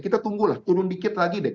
kita tunggulah turun dikit lagi deh